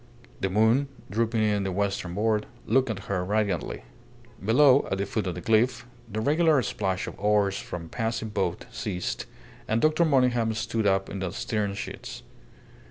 The moon, drooping in the western board, looked at her radiantly. Below, at the foot of the cliff, the regular splash of oars from a passing boat ceased, and Dr. Monygham stood up in the stern sheets.